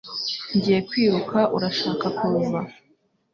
Ngiye kwiruka Urashaka kuza?